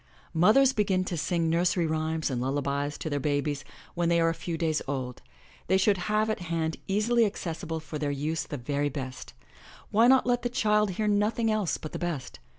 Mothers begin to sing nursery rhymes and lullabies to their babies when they are a few days old. They should have at hand easily accessible for their use the very best. Why not let the child hear nothing else but the best?